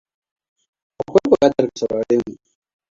Akwai bukatar ka sauraremu.